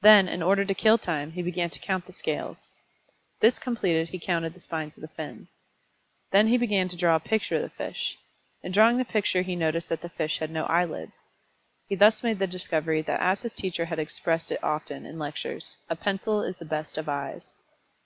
Then, in order to kill time, he began to count the scales. This completed he counted the spines of the fins. Then he began to draw a picture of the fish. In drawing the picture he noticed that the fish had no eyelids. He thus made the discovery that as his teacher had expressed it often, in lectures, "a pencil is the best of eyes."